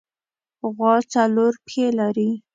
غوا څلور پښې لري.